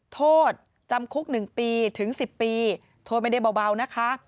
โทษจำคุก๑ปีถึง๑๐ปีโทษไม่ได้เบานะคะ